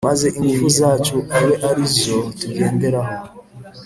maze ingufu zacu abe ari zo tugenderaho,